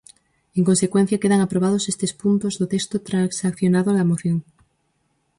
En consecuencia, quedan aprobados estes puntos do texto transaccionado da moción.